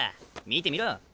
見てみろ。